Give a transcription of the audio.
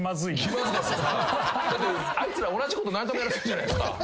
あいつら同じこと何回もやらせるじゃないですか。